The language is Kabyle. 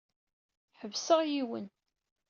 Ḥebseɣ yiwen.